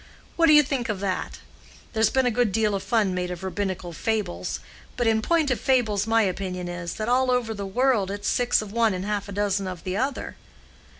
What do you think of that? There's been a good deal of fun made of rabbinical fables, but in point of fables my opinion is, that all over the world it's six of one and half a dozen of the other.